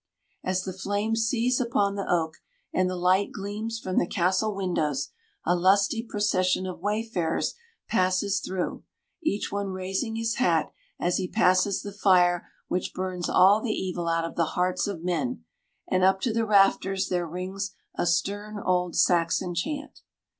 As the flames seize upon the oak and the light gleams from the castle windows, a lusty procession of wayfarers passes through, each one raising his hat as he passes the fire which burns all the evil out of the hearts of men, and up to the rafters there rings a stern old Saxon chant.